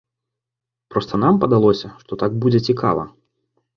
Проста нам падалося, што так будзе цікава.